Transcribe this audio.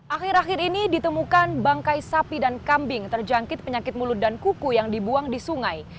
akhir akhir ini ditemukan bangkai sapi dan kambing terjangkit penyakit mulut dan kuku yang dibuang di sungai